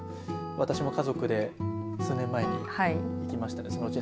私も家族で数年前に行きました。